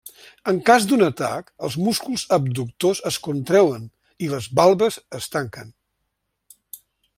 En cas d'un atac, els músculs abductors es contreuen i les valves es tanquen.